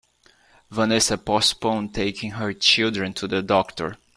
Vanessa postponed taking her children to the doctor.